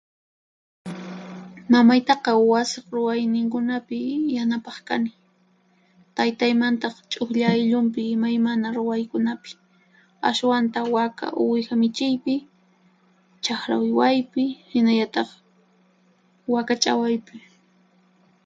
Mamaytaqa wasiq ruwayninkunapi yanapaq kani; taytaymantaq ch'uklla ayllunpi imaymana ruwaykunapi, ashwanta waka uwiha michiypi, chaqra ruwaypi hinallataq waka ch'awaypi.